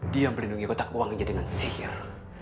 dia melindungi kotak uangnya dengan sihir